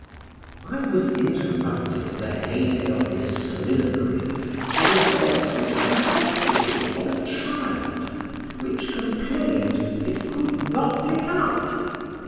I was interrupted in the heyday of this soliloquy, with a voice which I took to be of a child, which complained "it could not get out."